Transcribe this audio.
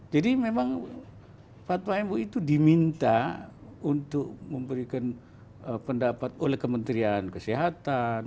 jadi memang fatwa mui itu diminta untuk memberikan pendapat oleh kementerian kesehatan